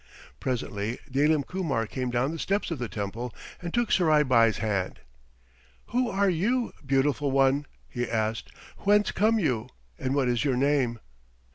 Presently Dalim Kumar came down the steps of the temple and took Surai Bai's hand. "Who are you, beautiful one?" he asked. "Whence come you, and what is your name?"